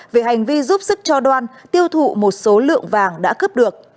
về hành vi giúp sức cho đoan tiêu thụ một số lượng vàng đã cướp được